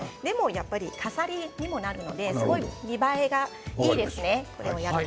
飾りにもなるので見栄えがいいですね。